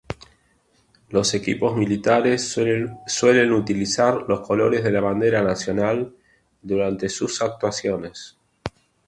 Los equipos militares suelen utilizar los colores de la bandera nacional durante sus actuaciones.